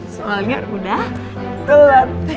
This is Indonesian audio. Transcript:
soalnya udah selesai